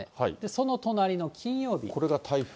その隣の金曜日。